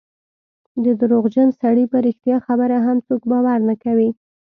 د درواغجن سړي په رښتیا خبره هم څوک باور نه کوي.